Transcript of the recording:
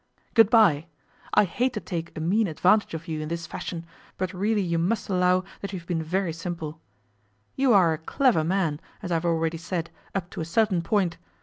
'Good bye: I hate to take a mean advantage of you in this fashion, but really you must allow that you have been very simple. You are a clever man, as I have already said, up to a certain point.